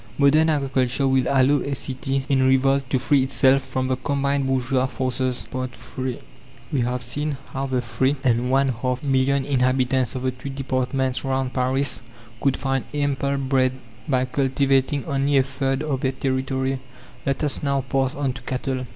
Modern agriculture will allow a city in revolt to free itself from the combined bourgeois forces. III We have seen how the three and one half million inhabitants of the two departments round Paris could find ample bread by cultivating only a third of their territory. Let us now pass on to cattle.